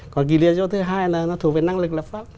còn kỳ lý do thứ hai là nó thuộc về năng lực lập pháp